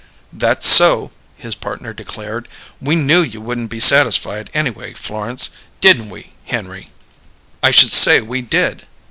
"That's so," his partner declared. "We knew you wouldn't be satisfied, anyway, Florence. Didn't we, Henry?" "I should say we did!"